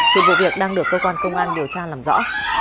hiện vụ việc đang được cơ quan công an điều tra làm rõ